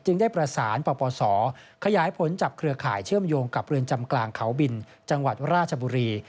ได้ประสานปปศขยายผลจับเครือข่ายเชื่อมโยงกับเรือนจำกลางเขาบินจังหวัดราชบุรี